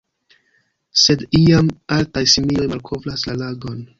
Sed iam, altaj simioj malkovras la lagon.